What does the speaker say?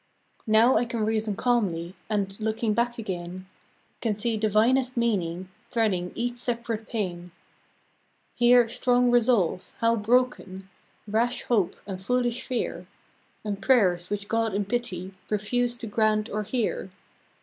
Now I can reason calmly, And, looking back again, Can see divinest meaning Threading each separate pain. Here strong resolve — how broken ; Rash hope, and foolish fear, And prayers which God in pity Refused to grant or hear.